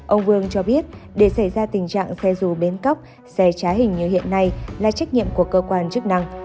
ông vương cho biết để xảy ra tình trạng xe dù bến cóc xe trá hình như hiện nay là trách nhiệm của cơ quan chức năng